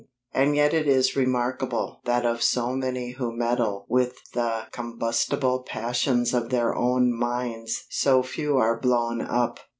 And yet it is remarkable that of so many who meddle with the combustible passions of their own minds so few are blown up.